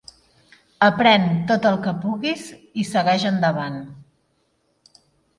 Aprèn tot el que puguis i segueix endavant.